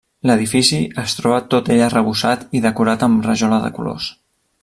L'edifici es troba tot ell arrebossat i decorat amb rajola de colors.